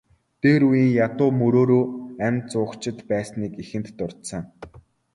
Дээр үеийн ядуу мөрөөрөө амь зуугчид байсныг эхэнд дурдсан.